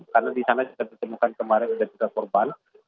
karena di sana juga terjemukan kemarin tiga korban